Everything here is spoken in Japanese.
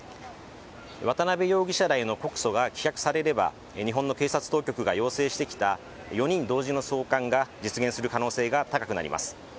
渡辺容疑者らへの告訴が棄却されれば日本の警察当局が要請して聞いた４人同時の送還が実現する可能性が高くなります。